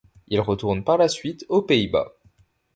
Il retourne par la suite aux Pays-Bas.